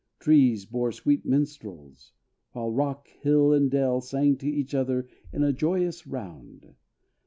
Trees bore sweet minstrels; while rock, hill, and dell Sang to each other in a joyous round.